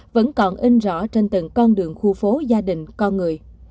vẫn còn in rõ trên từng con đường khu phố gia đình con người